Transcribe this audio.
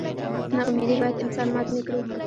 نا امیدي باید انسان مات نه کړي.